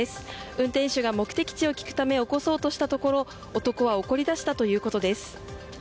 運転手が目的地を聞くため起こそうとしたところ男が怒り出したということです。